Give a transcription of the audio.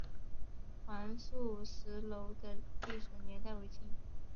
黄素石楼的历史年代为清。